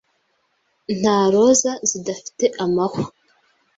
Nta roza zidafite amahwa.